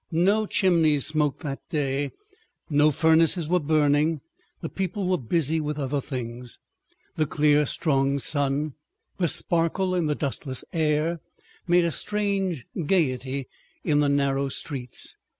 No chimneys smoked that day, no furnaces were burning, the people were busy with other things. The clear strong sun, the sparkle in the dustless air, made a strange gaiety in the narrow streets.